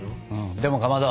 でもかまど。